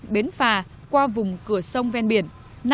bốn bến phà qua vùng cửa sông ven biển